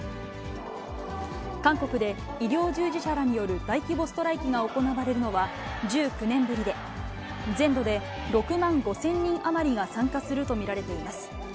韓国で医療従事者らによる大規模ストライキが行われるのは、１９年ぶりで、全土で６万５０００人余りが参加すると見られています。